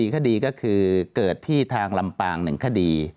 คดีก็คือเกิดที่ทางลำปาง๑คดี